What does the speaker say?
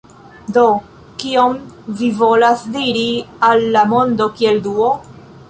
Do, kion vi volas diri al la mondo kiel Duo?